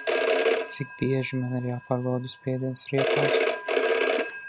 Cik bieži man ir jāpārbauda spiediens riepās?